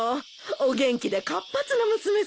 お元気で活発な娘さん。